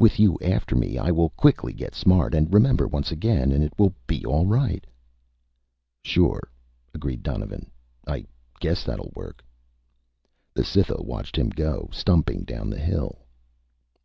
With you after me, I will quickly get smart and remember once again and it will be all right." "Sure," agreed Duncan. "I guess that will work." The Cytha watched him go stumping down the hill.